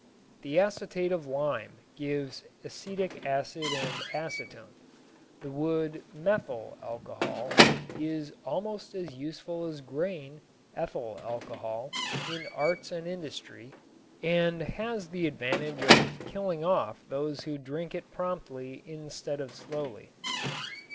The acetate of lime gives acetic acid and acetone. The wood (methyl) alcohol is almost as useful as grain (ethyl) alcohol in arts and industry and has the advantage of killing off those who drink it promptly instead of slowly.